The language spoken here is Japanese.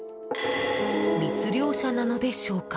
密漁者なのでしょうか？